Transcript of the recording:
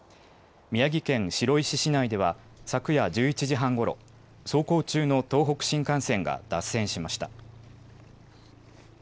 宮城県白石市内では、昨夜１１時半ごろ走行中の東北新幹線が脱線しました。